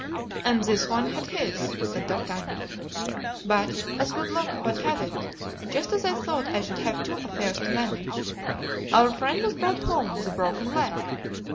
"And this one had his," said D'Artagnan; "but, as good luck would have it, just as I thought I should have two affairs to manage, our friend was brought home with a broken leg.